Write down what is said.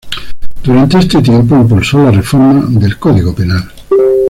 Durante este tiempo impulsó la reforma al Código Penal.